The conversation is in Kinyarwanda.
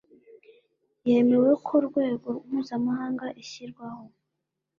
yemewe ku rwego mpuzamahanga ishyirwaho